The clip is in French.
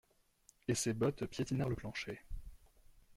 Et ses bottes piétinèrent le plancher.